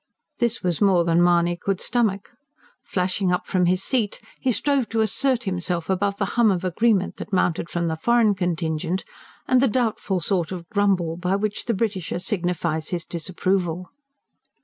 This was more than Mahony could stomach. Flashing up from his seat, he strove to assert himself above the hum of agreement that mounted from the foreign contingent, and the doubtful sort of grumble by which the Britisher signifies his disapproval.